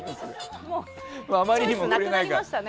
あまりにも触れないから。